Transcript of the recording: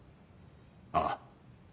ああ。